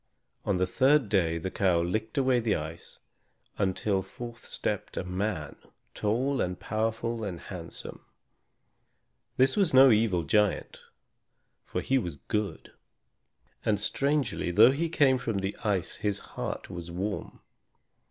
On the third day the cow licked away the ice until forth stepped a man, tall and powerful and handsome. This was no evil giant, for he was good; and, strangely, though he came from the ice his heart was warm.